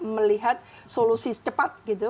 melihat solusi cepat gitu